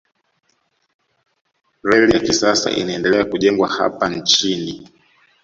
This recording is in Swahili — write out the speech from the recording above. reli ya kisasa inaendelea kujengwa hapa nchini